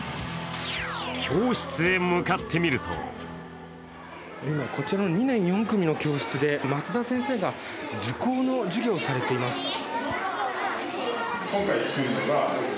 教室へ向かってみると今、こちらの２年４組の教室で松田先生が図工の授業をされています。